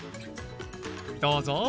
どうぞ！